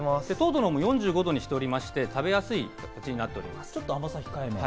糖度も４５度にしておりまして、食べやすいものになっております。